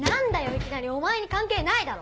いきなりお前に関係ないだろ！